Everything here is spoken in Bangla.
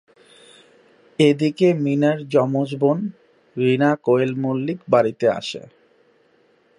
এদিকে মিনার যমজ বোন, রিনা কোয়েল মল্লিক বাড়িতে আসে।